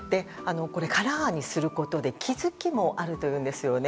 カラーにすることで気づきもあるというんですよね。